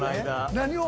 何を？